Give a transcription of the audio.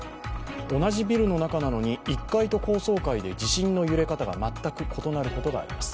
同じビルの中なのに１階と高層階で地震の揺れ方が全く異なることがあります。